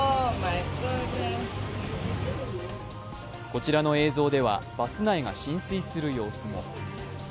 こちらの映像ではバス内が浸水する様子も。